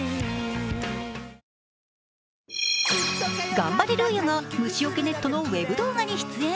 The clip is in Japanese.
ガンバレルーヤが虫よけネットのウエブ動画に出演。